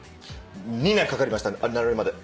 ２年かかりました慣れるまで。